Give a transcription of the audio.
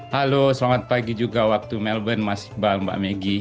halo selamat pagi juga waktu melbourne mas iqbal mbak meggy